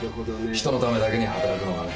人のためだけに働くのがね。